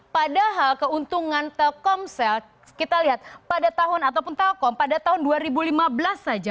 padahal keuntungan telkomsel kita lihat pada tahun ataupun telkom pada tahun dua ribu lima belas saja